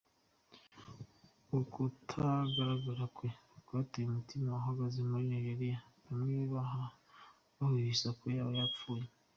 Ukutagaragara kwe kwateye umutima uhagaze muri Nigeria, bamwe bagahwihwisa ko yaba yarapfuye.